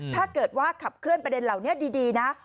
ถ้าเกิดว่าขับเคลื่อนประเด็นเหล่านี้ดีนะ